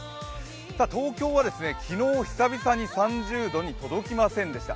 東京は昨日、久々に３０度に届きませんでした。